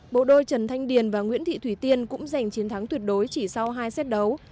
bộ đôi trần thanh điền và nguyễn thị thủy tiên cũng giành chiến thắng tuyệt đối chỉ sau hai xét đấu